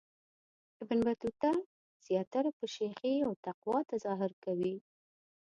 ابن بطوطه زیاتره په شیخی او تقوا تظاهر کوي.